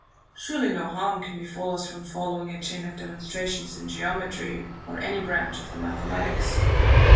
Newton. Surely no harm can befall us from following a chain of demonstrations in geometry, or any branch of the mathematics.